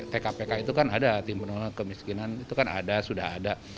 tkpk itu kan ada tim menolak kemiskinan itu kan ada sudah ada